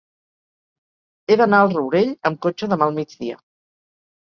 He d'anar al Rourell amb cotxe demà al migdia.